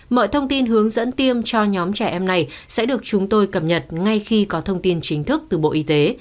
mọi thông tin hướng dẫn tiêm cho nhóm trẻ em này sẽ được chúng tôi cập nhật ngay khi có thông tin chính thức từ bộ y tế